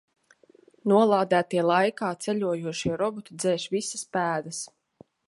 Nolādētie laikā ceļojošie roboti dzēš visas pēdas.